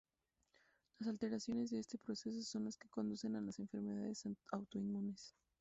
Las alteraciones de este proceso son las que conducen a las enfermedades autoinmunes.